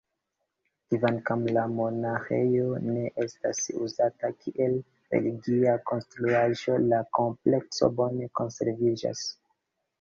Kvankam la monaĥejo ne estas uzata kiel religia konstruaĵo, la komplekso bone konserviĝas.